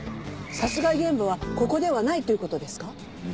殺害現場はここではないという事ですか？